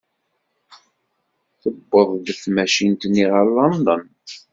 Tuweḍ tmacint-nni ɣer London.